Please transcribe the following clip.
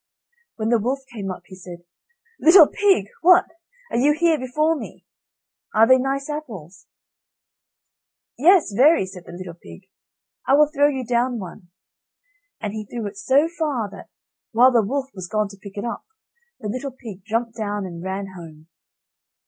When the wolf came up he said: "Little pig, what! are you here before me? Are they nice apples?" "Yes, very," said the little pig. "I will throw you down one." And he threw it so far, that, while the wolf was gone to pick it up, the little pig jumped down and ran home.